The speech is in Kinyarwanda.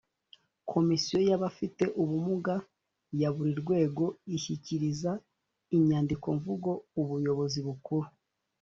komisiyo y’abafite ubumuga ya buri rwego ishyikiriza inyandikomvugo ubuyobozi bukuru